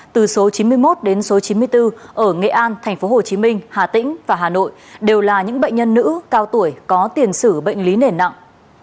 từ số chín mươi một đến số chín mươi bốn ở nghệ an tp hcm hà tĩnh và hà nội đều là những bệnh nhân nữ cao tuổi có tiền sử bệnh lý nền nặng